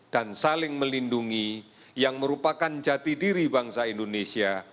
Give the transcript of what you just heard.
dan saling melindungi yang merupakan jati diri bangsa indonesia